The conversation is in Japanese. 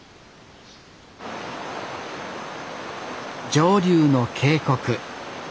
上流の渓谷。